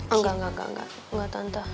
enggak enggak enggak tante